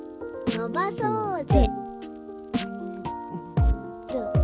「のばそーぜ」